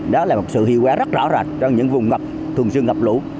đó là một sự hiệu quả rất rõ ràng trong những vùng ngập thường xưa ngập lũ